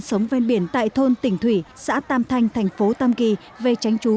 sống ven biển tại thôn tỉnh thủy xã tam thanh thành phố tam kỳ về tránh trú